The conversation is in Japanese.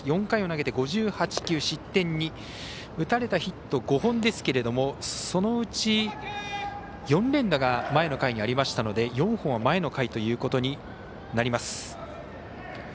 ４回を投げて５８球失点２打たれたヒット５本ですがそのうち４連打が前の回にありましたので４本は前の回ということになります。